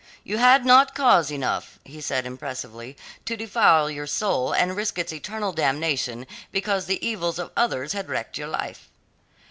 "You had not cause enough," he added impressively, "to defile your soul and risk its eternal damnation because the evil of others had wrecked your life."